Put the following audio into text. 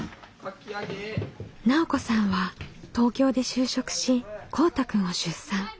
奈緒子さんは東京で就職しこうたくんを出産。